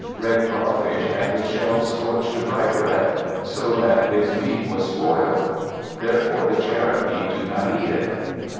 Red Crawfish had his shell scorched a bright red, so that his meat was spoiled. Therefore the Cherokees do not eat it.